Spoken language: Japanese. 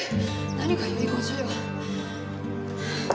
何が遺言書よ。